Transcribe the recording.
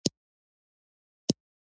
هلمند د افغانستان د لویو ولایتونو څخه دی